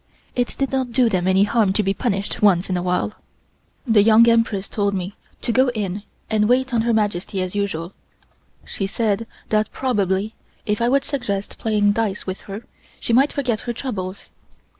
It did not do them any harm to be punished once in a while. The Young Empress told me to go in and wait on Her Majesty as usual. She said that probably if I would suggest playing dice with her, she might forget her troubles.